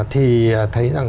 thì thấy rằng